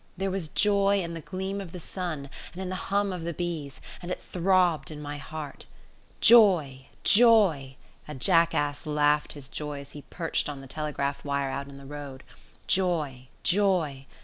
There was joy in the gleam of the sun and in the hum of the bees, and it throbbed in my heart. Joy! Joy! A jackass laughed his joy as he perched on the telegraph wire out in the road. Joy! joy!